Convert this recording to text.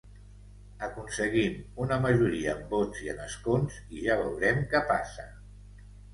Aconseguim una majoria en vots i en escons i ja veurem què passa.